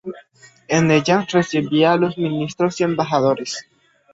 En ella recibía a los ministros y embajadores.